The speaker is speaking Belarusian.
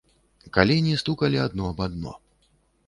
Калені стукалі адно аб адно.